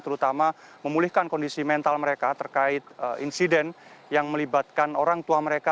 terutama memulihkan kondisi mental mereka terkait insiden yang melibatkan orang tua mereka